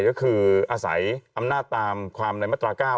ก็คืออาศัยอำนาจตามความในมาตรา๙